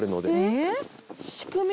えっ？仕組み？